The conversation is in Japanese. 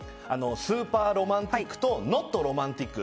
スーパーロマンティックとノットロマンティック。